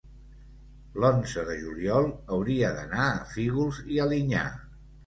l'onze de juliol hauria d'anar a Fígols i Alinyà.